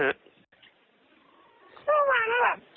เมื่อมาก็แบบเชื่อข่าวเกินไปฟังข่าวจากเพจผีอะไรอย่างเงี้ย